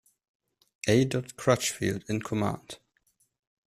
A. Crutchfield in command.